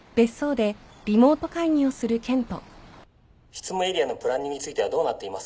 執務エリアのプランニングについてはどうなっていますか？